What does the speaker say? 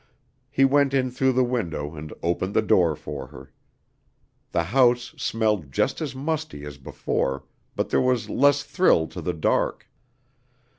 He went in through the window and opened the door for her. The house smelled just as musty as before, but there was less thrill to the dark.